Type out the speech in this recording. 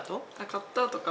買ったあとか。